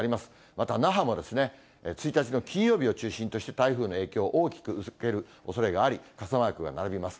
また那覇も、１日の金曜日を中心として台風の影響、大きく受けるおそれがあり、傘マークが並びます。